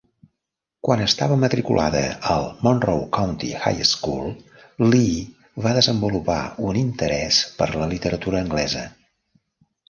Quan estava matriculada al Monroe County High School, Lee va desenvolupar un interès per la literatura anglesa.